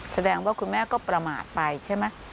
แสดงว่าคุณแม่ก็ประมาทไปใช่ไหม